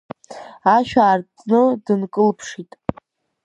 Ашә аартны, дынкылԥшит.